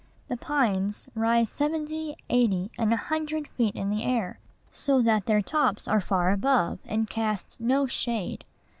The pines rise seventy, eighty, and a hundred feet in the air, so that their tops are far above, and cast no shade.